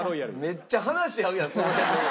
めっちゃ話合うやんその辺の。